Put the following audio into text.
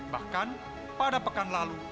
bahkan pada pekan lalu